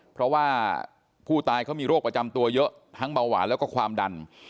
เพราะว่าผู้ตายเขามีโรคประจำตัวเยอะทั้งเบาหวานแล้วก็ความดัน